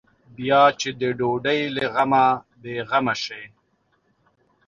بیا چې د ډوډۍ له غمه بې غمه شي.